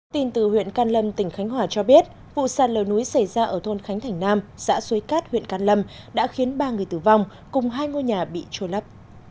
tin từ huyện can lâm tỉnh khánh hòa cho biết vụ sạt lở núi xảy ra ở thôn khánh thành nam xã xuế cát huyện can lâm đã khiến ba người tử vong cùng hai ngôi nhà bị trôi lấp